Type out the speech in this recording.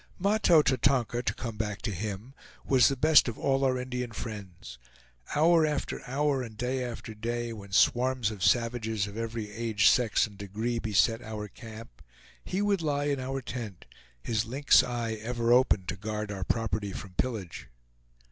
Mahto Tatonka, to come back to him, was the best of all our Indian friends. Hour after hour and day after day, when swarms of savages of every age, sex, and degree beset our camp, he would lie in our tent, his lynx eye ever open to guard our property from pillage.